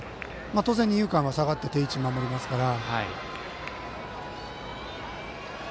当然、二遊間は下がって定位置で守りますから。